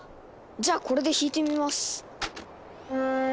じゃあこれで弾いてみます。